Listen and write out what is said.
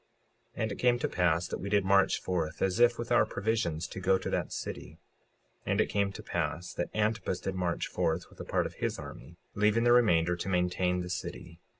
56:32 And it came to pass that we did march forth, as if with our provisions, to go to that city. 56:33 And it came to pass that Antipus did march forth with a part of his army, leaving the remainder to maintain the city.